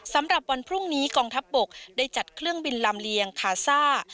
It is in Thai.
สำหรับวันพรุ่งนี้กองทัพบกได้จัดเครื่องบินลำเลียงคาซ่า